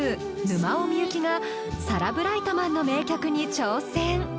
沼尾みゆきがサラ・ブライトマンの名曲に挑戦